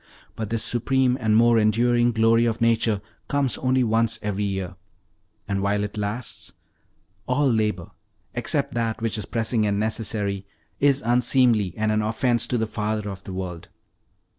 But this supreme and more enduring glory of nature comes only once every year; and while it lasts, all labor, except that which is pressing and necessary, is unseemly, and an offense to the Father of the world."